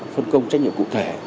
phân công trách nhiệm cụ thể